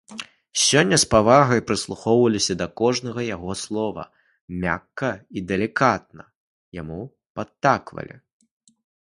Сёння з павагай прыслухоўваліся да кожнага яго слова, мякка і далікатна яму падтаквалі.